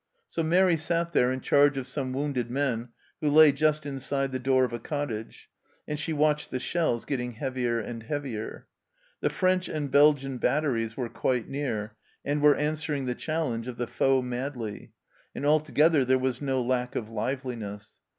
So Mairi sat there in charge of some wounded men who lay just inside the door of a cottage, and she watched the shells getting heavier and heavier. The French and Belgian batteries were quite near, and were answering the challenge of the foe madly, and altogether there was no lack of liveliness.